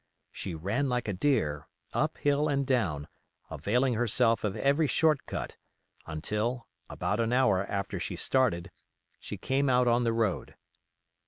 She ran like a deer, up hill and down, availing herself of every short cut, until, about an hour after she started, she came out on the road.